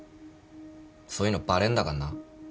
そういうのバレんだかんな。